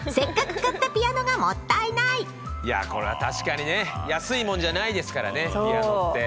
いやあこれは確かにね安いもんじゃないですからねピアノって。